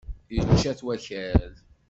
Yečča-t wakal.